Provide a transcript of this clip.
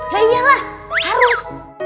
lah iyalah harus